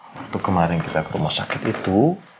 waktu kemarin kita ke rumah sakit itu